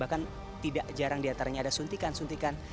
bahkan tidak jarang diantaranya ada suntikan suntikan